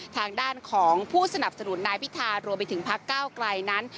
ทางด้านของผู้สนับสนุนนายพิธารวมไปถึงพักเก้าไกลนั้น